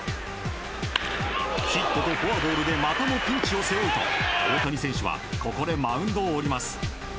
ヒットとフォアボールでまたもピンチを背負うと大谷選手はここでマウンドを降ります。